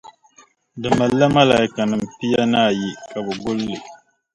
Di malila Makaaikanim pia ni awei ka bɛ guli li